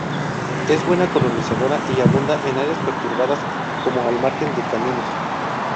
Es buena colonizadora y abunda en áreas perturbadas, como al margen de caminos.